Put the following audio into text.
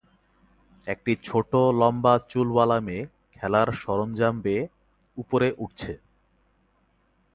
একটি ছোট লম্বা চুলওয়ালা মেয়ে খেলার সরঞ্জাম বেয়ে উপরে উঠছে।